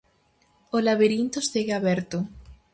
O labirinto segue aberto.